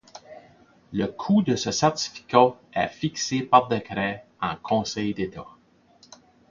Le coût de ce certificat est fixé par décret en Conseil d'État.